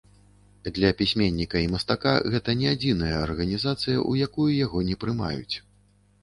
Для пісьменніка і мастака гэта не адзіная арганізацыя, у якую яго не прымаюць.